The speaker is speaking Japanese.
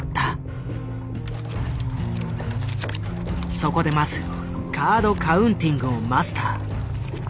そこでまずカード・カウンティングをマスター。